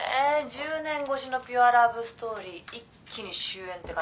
１０年越しのピュアラブストーリー一気に終えんって感じ